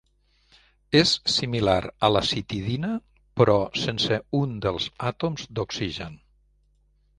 És similar a la citidina, però sense un dels àtoms d'oxigen.